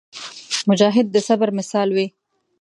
مجاهد د صبر مثال وي.